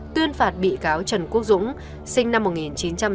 tuyên phạt bị cáo trần quốc dũng sinh năm một nghìn chín trăm chín mươi bảy